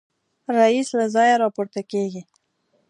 رییس له ځایه راپورته کېږي.